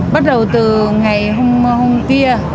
bắt đầu từ ngày hôm tia